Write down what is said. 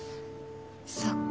そっか。